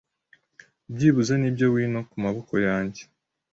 byibuze nibyo wino ku maboko yanjye